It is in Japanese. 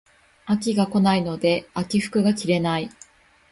秋が来ないので秋服が着れない